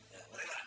ya boleh pak